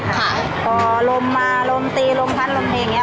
ก่อลมมาลมตีลมพัดลมเมีย